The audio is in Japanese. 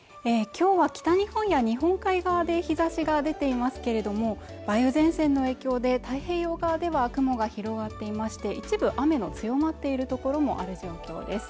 今日は北日本や日本海側で日差しが出ていますけれども梅雨前線の影響で太平洋側では雲が広がっていまして一部雨の強まっている所もある状況です